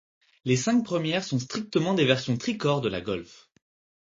Les cinq premières sont strictement des versions tricorps de la Golf.